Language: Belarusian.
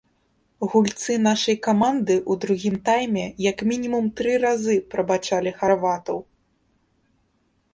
Гульцы нашай каманды ў другім тайме як мінімум тры разы прабачалі харватаў.